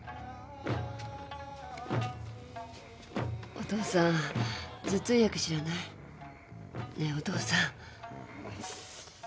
お父さん頭痛薬知らない？ねえお父さん。